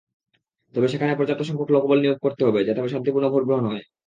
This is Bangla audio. তবে সেখানে পর্যাপ্তসংখ্যক লোকবল নিয়োগ করা হবে, যাতে শান্তিপূর্ণ ভোট গ্রহণ হয়।